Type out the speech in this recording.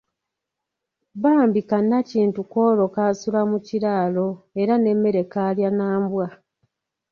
Bambi ka Nakintu kw'olwo kaasula mu kiraalo era n'emmere kaalya na mbwa .